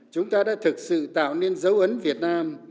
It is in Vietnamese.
chúng ta đã thực sự tạo nên dấu ấn việt nam